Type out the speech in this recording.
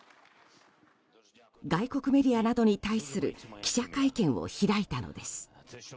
外国メディアなどに対する記者会見を開いたのです。